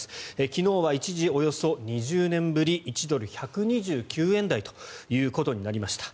昨日は一時、およそ２０年ぶり１ドル＝１２９円台ということになりました。